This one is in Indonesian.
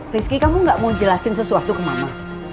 rizky kamu gak mau jelasin sesuatu ke mama